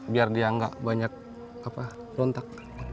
biar dia nggak banyak rontak